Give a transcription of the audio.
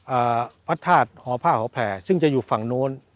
อ่าพระธาตุหอผ้าหอแผ่ซึ่งจะอยู่ฝั่งโน้น